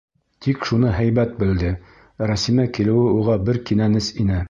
Тик шуны һәйбәт белде: Рәсимә килеүе уға бер кинәнес ине.